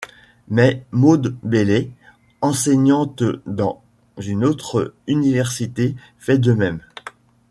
Mais Maud Bailey, enseignante dans une autre université, fait de même.